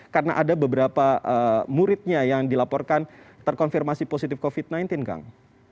karena ada beberapa muridnya yang dilaporkan terkonfirmasi positif covid sembilan belas kang